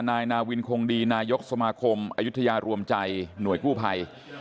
นายนาวินคงดีนายกสมาคมอายุทยารวมใจหน่วยกู้ภัย